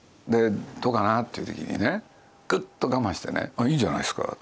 でどうかなっていう時にねぐっと我慢してね「あっいいじゃないですか」